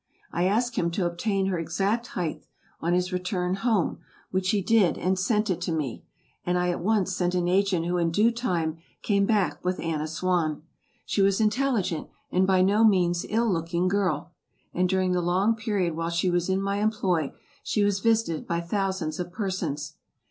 I asked him to obtain her exact height, on his return home, which he did and sent it to me, and I at once sent an agent who in due time came back with Anna Swan. She was an intelligent and by no means ill looking girl, and during the long period while she was in my employ she was visited by thousands of persons.